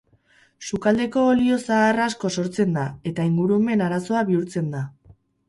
Sukaldeko olio zahar asko sortzen da eta ingurumen arazoa bihurtzen da.